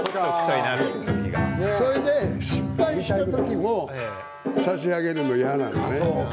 それで失敗した時も差し上げるの嫌なのね。